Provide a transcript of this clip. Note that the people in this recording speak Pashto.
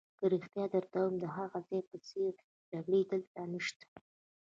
که رښتیا درته ووایم، د هغه ځای په څېر جګړې دلته نشته.